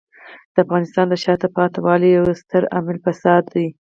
د افغانستان د شاته پاتې والي یو ستر عامل فساد دی.